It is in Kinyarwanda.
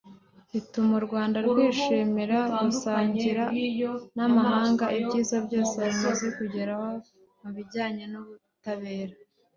rituma u Rwanda rwishimira gusangira n’amahanga ibyiza byose rumaze kugeraho mu bijyanye n’ubutabera